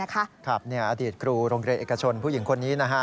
อดีตครูโรงเรียนเอกชนผู้หญิงคนนี้